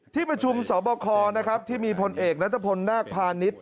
ที่ประชุมสบคนะครับที่มีผลเอกณัฐพนธ์หน้าพาณิชย์